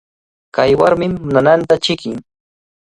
Kay warmimi nananta chiqnin.